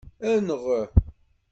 Enɣ!